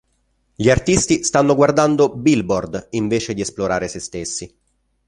Gli artisti stanno guardando "Billboard" invece di esplorare se stessi.